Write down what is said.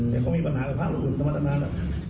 แต่เขามีปัญหากับภาคหลุดน้ำมัดต่างแล้ว